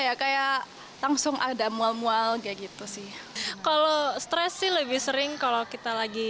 ya kayak langsung ada mual mual kayak gitu sih kalau stres sih lebih sering kalau kita lagi